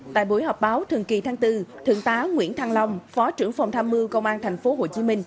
tại buổi họp báo thường kỳ tháng bốn thượng tá nguyễn thăng long phó trưởng phòng tham mưu công an tp hcm